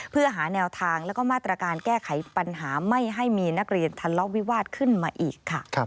เพื่อหาแนวทางแล้วก็มาตรการแก้ไขปัญหาไม่ให้มีนักเรียนทะเลาะวิวาสขึ้นมาอีกค่ะ